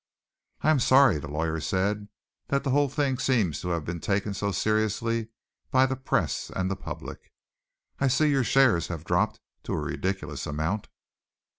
"I am sorry," the lawyer said, "that the whole thing seems to have been taken so seriously by the Press and the public. I see your shares have dropped to a ridiculous amount."